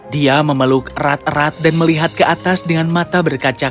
dia memeluk erat erat dan melihat ke atas dengan mata berkaca